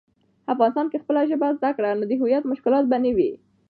افغانسان کی خپله ژبه زده کړه، نو د هویت مشکلات به نه وي.